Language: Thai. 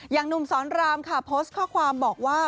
หนุ่มสอนรามค่ะโพสต์ข้อความบอกว่า